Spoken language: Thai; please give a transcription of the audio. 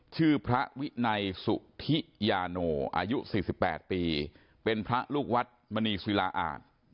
ชื่อพระวินัยสุธิยาโนอายุ๔๘ปีเป็นพระลูกวัดมณีศิลาอา